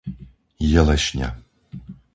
Jelešňa